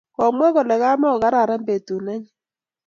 Komwa kole kamako kararan betut nenyin